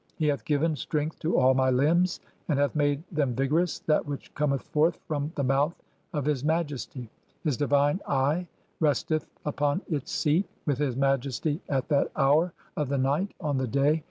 He hath given "strength to all my limbs, and hath made them vigorous that "which cometh forth from the mouth of His Majesty. His divine "Eye resteth upon its seat with His Majesty at that hour (5) "of the night, on the day